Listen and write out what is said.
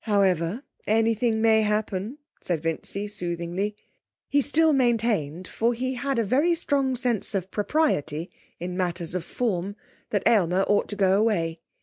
However, anything may happen,' said Vincy soothingly. He still maintained, for he had a very strong sense of propriety in matters of form, that Aylmer ought to go away.